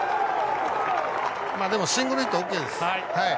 シングルヒットはＯＫです。